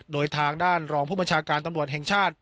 โดยทางด้านรองผู้บัญชาการตำรวจแห่งชาติ